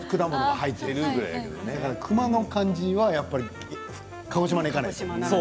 熊の感じはやっぱり鹿児島に行かないと。